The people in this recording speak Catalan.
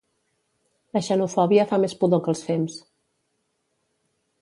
la xenofòbia fa més pudor que els fems